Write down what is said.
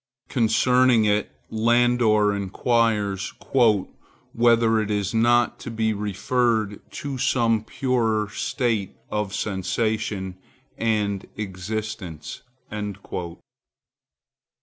Concerning it Landor inquires "whether it is not to be referred to some purer state of sensation and existence."